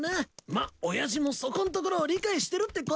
まっ親父もそこんところを理解してるってこったな。